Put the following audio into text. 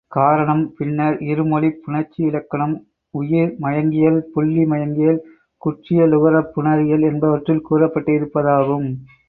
காரணம், பின்னர், இருமொழிப் புணர்ச்சியிலக்கணம், உயிர்மயங்கியல், புள்ளிமயங்கியல், குற்றியலுகரப் புணரியல் என்பவற்றில் கூறப்பட்டிருப்பதாகும்.